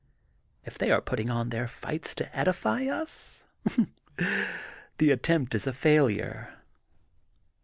If they are putting on their fights to edify us, the attempt is a failure.